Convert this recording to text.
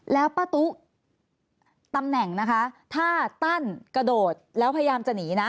แล้วป้าตุ๊ตำแหน่งนะคะถ้าตั้นกระโดดแล้วพยายามจะหนีนะ